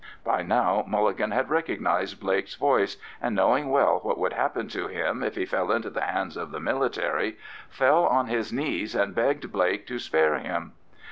By now Mulligan had recognised Blake's voice, and knowing well what would happen to him if he fell into the hands of the military, fell on his knees and begged Blake to spare him.